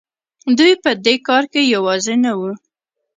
دوی په دې کار کې یوازې نه وو.